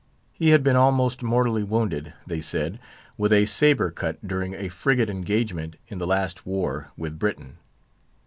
He had been almost mortally wounded, they said, with a sabre cut, during a frigate engagement in the last war with Britain.